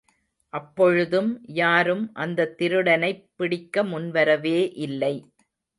அப்பொழுதும் யாரும் அந்தத் திருடனைப் பிடிக்க முன்வரவே இல்லை.